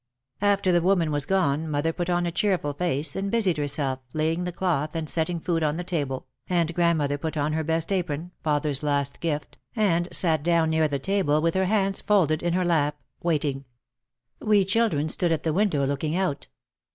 After the woman was gone mother put on a cheerful face and busied herself laying the cloth and setting food on the table, and grandmother put on her best apron, father's last gift, and sat down near the table with her hands folded in her lap, waiting. We children stood at the window looking out.